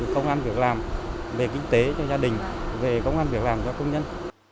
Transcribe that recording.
công an việc làm về kinh tế cho gia đình về công an việc làm cho công nhân